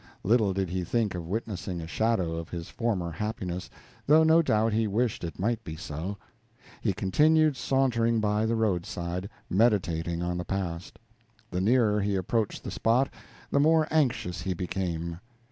Little did he think of witnessing a shadow of his former happiness, though no doubt he wished it might be so. He continued sauntering by the roadside, meditating on the past. The nearer he approached the spot, the more anxious he became.